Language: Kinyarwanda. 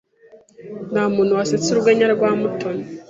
Ntamuntu wasetse urwenya rwa Mutoni.